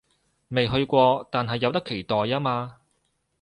未去過，但係有得期待吖嘛